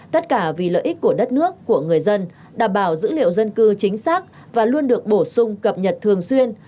tất cả vì lợi ích của đất nước của người dân đảm bảo dữ liệu dân cư chính xác và luôn được bổ sung cập nhật thường xuyên